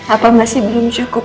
apa masih belum cukup